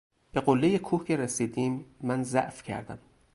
به قله کوه که رسیدیم من ضعف کردم.